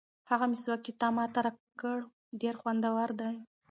هغه مسواک چې تا ماته راکړ ډېر خوندور دی.